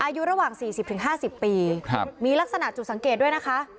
อายุระหว่างสี่สิบถึงห้าสิบปีครับมีลักษณะจุดสังเกตด้วยนะคะ